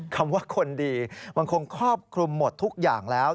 คำว่าคนดีมันคงครอบคลุมหมดทุกอย่างแล้ว